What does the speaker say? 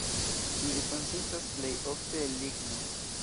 Ili konsistas plej ofte el ligno.